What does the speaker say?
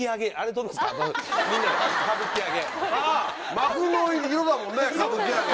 幕の色だもんね歌舞伎揚げ。